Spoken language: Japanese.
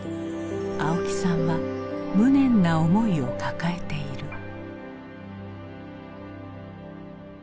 青木さんは無念な思いを抱えている。